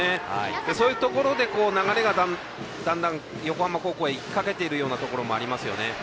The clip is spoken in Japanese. そういうところで流れがだんだん横浜高校にいきかけているようなところもありますよね。